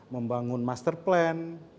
membangun master plan